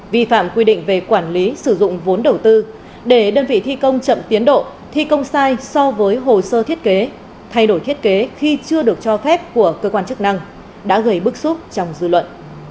vi phạm quy định về quản lý sử dụng vốn đầu tư để đơn vị thi công chậm tiến độ thi công sai so với hồ sơ thiết kế thay đổi thiết kế khi chưa được cho phép của cơ quan chức năng đã gây bức xúc trong dư luận